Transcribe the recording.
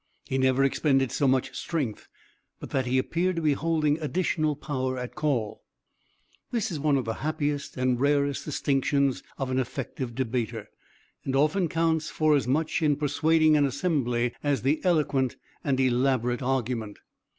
He never expended so much strength but that he appeared to be holding additional power at call. This is one of the happiest and rarest distinctions of an effective debater, and often counts for as much, in persuading an assembly, as the eloquent and elaborate argument.